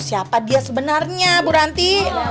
siapa dia sebenarnya bu ranti